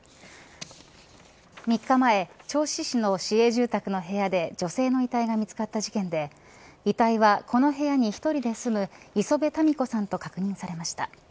３日前、銚子市の市営住宅の部屋で女性の遺体が見つかった事件で遺体は、この部屋に１人で住む礒辺たみ子さんと確認されました。